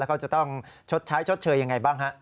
เขาจะต้องชดใช้ชดเชยยังไงบ้างฮะ